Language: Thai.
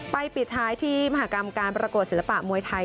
ปิดท้ายที่มหากรรมการประกวดศิลปะมวยไทย